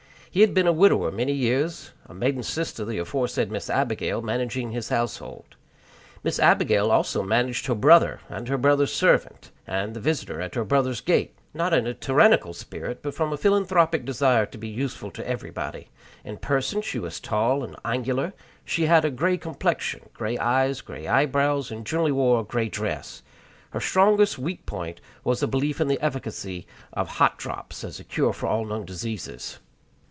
He had been a widower many years; a maiden sister, the aforesaid Miss Abigail, managing his household. Miss Abigail also managed her brother, and her brother's servant, and the visitor at her brother's gate not in a tyrannical spirit, but from a philanthropic desire to be useful to everybody. In person she was tall and angular; she had a gray complexion, gray eyes, gray eyebrows, and generally wore a gray dress. Her strongest weak point was a belief in the efficacy of "hot drops" as a cure for all known diseases.